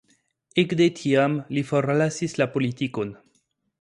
Ekde tiam li forlasis la politikon.